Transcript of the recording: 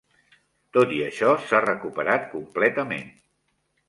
Tot i això s'ha recuperat completament.